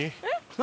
何？